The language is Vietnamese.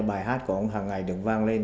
bài hát của ông hằng ngày được vang lên